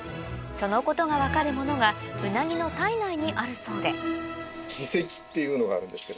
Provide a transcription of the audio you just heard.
そのことが分かるものがウナギの体内にあるそうで耳石っていうのがあるんですけども。